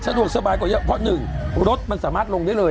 สะดวกสบายกว่าเยอะเพราะ๑รถมันสามารถลงได้เลย